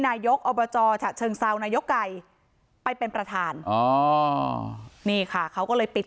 นายกอบจฉะเชิงเซานายกไก่ไปเป็นประธานอ๋อนี่ค่ะเขาก็เลยปิด